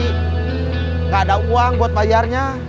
tidak ada uang buat bayarnya